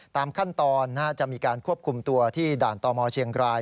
ตามขั้นตอนจะมีการควบคุมตัวที่ด่านตมเชียงราย